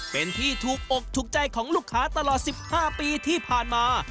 เป็นที่ถูกอกถูกใจของลูกค้าตลอด๑๕ปีที่ผ่านมา